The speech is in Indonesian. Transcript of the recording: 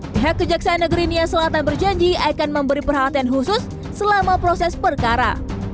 pihak kejaksaan negeri nia selatan berjanji akan memberi perhatian khusus selama proses perkara